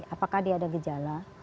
apakah dia ada gejala